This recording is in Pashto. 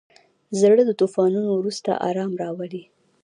زړه د طوفانونو وروسته ارام راولي.